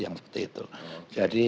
yang seperti itu jadi